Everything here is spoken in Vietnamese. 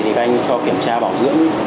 thì các anh cho kiểm tra bảo dưỡng